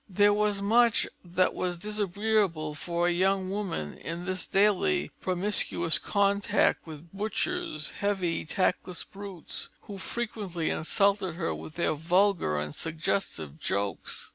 There was much that was disagreeable for a young woman in this daily promiscuous contact with butchers, heavy, tactless brutes, who frequently insulted her with their vulgar and suggestive jokes.